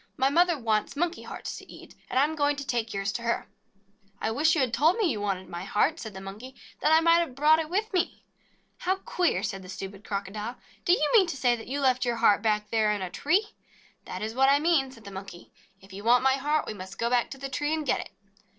"My mother wants Monkey heart to eat, and I 'm going to take yours to her." "Why did you take me under water, Crocodile?" he asked. "I wish you had told me you wanted my heart," said the Monkey, "then I might have brought it with me." "How queer !" said the stupid Crocodile. "Do you mean to say that you left your heart back there in the tree?" "That is what I mean," said the Monkey. "If you JATAKA TALES want my heart, we must go back to the tree and get it.